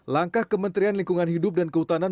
langkah kementerian lingkungan hidup dan kehutanan